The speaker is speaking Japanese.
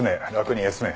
休め。